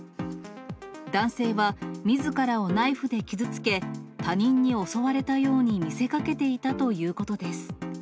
男性はみずからをナイフで傷つけ、他人に襲われたように見せかけていたということです。